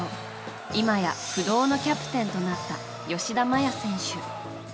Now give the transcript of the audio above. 今や不動のキャプテンとなった吉田麻也選手。